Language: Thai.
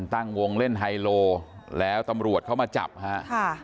ตั้งวงเล่นไฮโลแล้วตำรวจเข้ามาจับฮะค่ะ